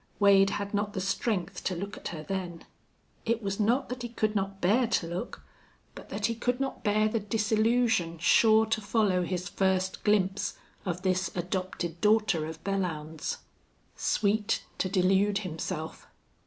Wade had not the strength to look at her then. It was not that he could not bear to look, but that he could not bear the disillusion sure to follow his first glimpse of this adopted daughter of Belllounds. Sweet to delude himself!